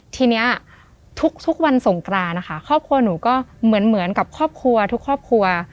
ทีนี้ทุกวันสงกรานนะคะครอบครัวหนูก็เหมือนกับครอบครัวทุกครอบครัว